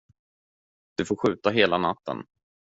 Du får skjuta hela natten.